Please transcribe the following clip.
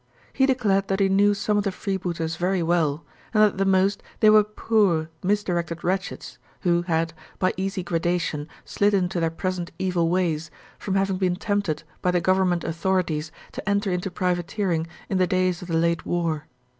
He declared that he knew some of the freebooters very well and that at the most they were poor, misdirected wretches who had, by easy gradation, slid into their present evil ways, from having been tempted by the government authorities to enter into privateering in the days of the late war.